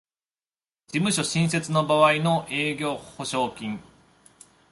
事務所新設の場合の営業保証金